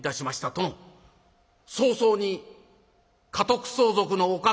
殿早々に家督相続のお覚悟を」。